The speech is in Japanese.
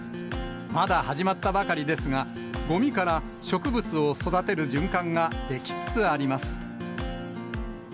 まだ始まったばかりですが、ごみから植物を育てる循環が出来つつあります。